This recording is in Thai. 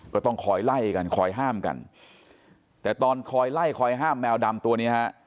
ก็ต้องคอยไล่กันคอยห้ามกันแต่ตอนคอยไล่คอยห้ามแมวดำตัวนี้ฮะ